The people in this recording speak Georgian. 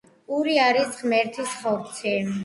პური არის ღმერთის ხორცი